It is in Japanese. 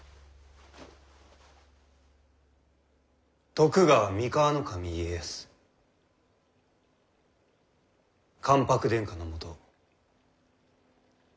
徳川三河守家康関白殿下のもと。